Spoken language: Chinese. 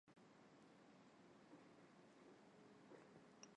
这次朗诵实际上凝聚了东海岸和西海岸的垮掉派力量。